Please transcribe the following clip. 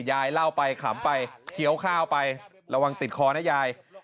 ยายเล่าไปขำไปเคี้ยวข้าวไประวังติดคอนะยาย